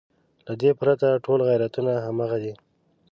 له دې پرته ټول غیرتونه همغه دي.